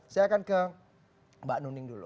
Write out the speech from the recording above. saya akan ke mbak nuning dulu